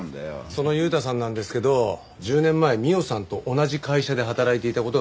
その悠太さんなんですけど１０年前美緒さんと同じ会社で働いていた事がわかりました。